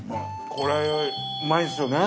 これうまいっすよね。